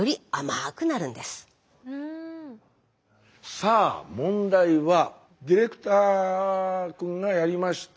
さあ問題はディレクターくんがやりました。